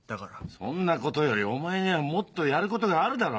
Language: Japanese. そんなことよりお前にはもっとやることがあるだろ。